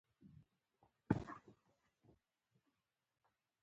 بدرنګه سړی د کرکې سمبول وي